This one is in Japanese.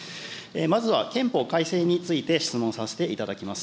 まずは憲法改正について質問させていただきます。